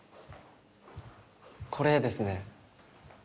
これですね。